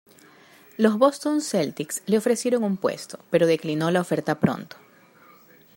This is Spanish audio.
Los Boston Celtics le ofrecieron un puesto, pero declinó la oferta pronto.